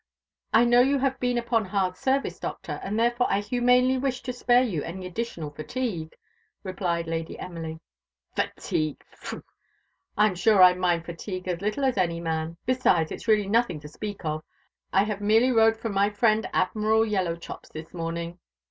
"I know you have been upon hard service, Doctor, and therefore I humanely wished to spare you any additional fatigue," replied Lady Emily. "Fatigue, phoo! I'm sure I mind fatigue as little as any man; besides it's really nothing to speak of. I have merely rode from my friend Admiral Yellowchops' this morning."